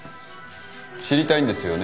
知りたいんですよね？